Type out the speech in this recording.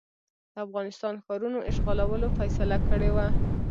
د افغانستان ښارونو اشغالولو فیصله کړې وه.